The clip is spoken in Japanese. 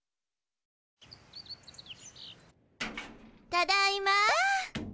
ただいま！